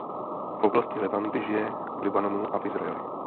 V oblasti Levanty žije v Libanonu a v Izraeli.